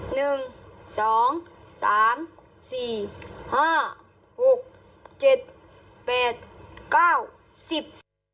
หนึ่งสองสามสี่ห้าหกเจ็ดแปดเก้าสิบ